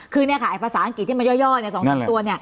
คือภาษาอังกฤษที่มาย่อในสองทางตัว